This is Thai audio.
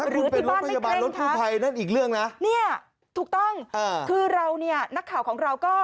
หรือที่บ้านไม่เคร่งคะนี่ถูกต้องคือเราเนี่ยนักข่าวของเราก็